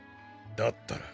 だったら。